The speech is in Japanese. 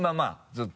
ずっと。